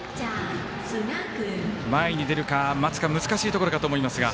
前に出るか待つか難しいところかと思いますが。